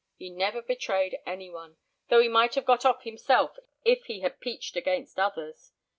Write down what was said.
He never betrayed any one, though he might have got off himself if he had peached against others.